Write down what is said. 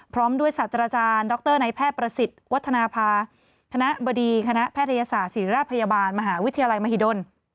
พร้อมด้วยสัตว์อาจารย์ฐในแพทย์ประศิษฐ์วัฒนภาคณะบดีคณะแพทยศาสนิรพยาบาลมหาวิทยาลัยมหิดล